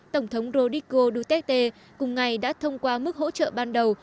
tổng thống rodrico duterte cùng ngày đã thông qua mức hỗ trợ ban đầu